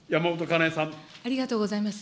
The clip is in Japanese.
ありがとうございます。